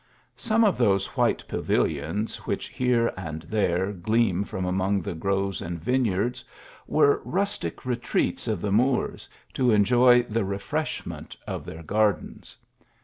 Some of those white pavilions which here and there gleam from among groves and vineyards, were rustic retreats of the Moors, to enjoy the refreshment of their gardens.